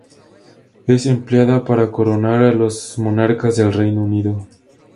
Es empleada para coronar a los monarcas del Reino Unido.